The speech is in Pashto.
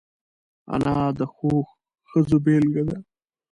انا د ښو ښځو بېلګه ده